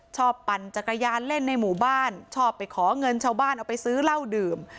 ปั่นจักรยานเล่นในหมู่บ้านชอบไปขอเงินชาวบ้านเอาไปซื้อเหล้าดื่ม